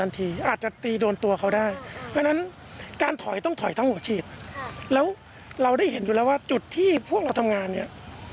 เมื่อวานที่ต่อพอเห็นมีน้องในทีมที่เข้าไปเมื่อวานเนี่ย